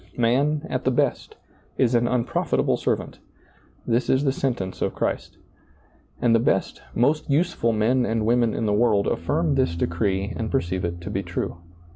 Man, at the best, is an unprofitable servant — this is the sentence of Christ. And the best, most useful ^lailizccbvGoOgle 66 SEEING DARKLY men and women in the world affirm this decree and perceive it to be true.